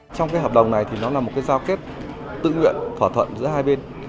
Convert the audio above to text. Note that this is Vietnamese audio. trong cái hợp đồng này thì nó là một cái giao kết tự nguyện thỏa thuận giữa hai bên